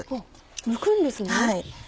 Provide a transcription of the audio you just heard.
むくんですね。